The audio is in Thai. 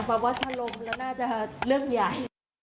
เพราะว่าถ้าล้มแล้วน่าจะเริ่มใหญ่